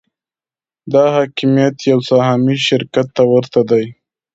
دا حاکمیت یو سهامي شرکت ته ورته دی.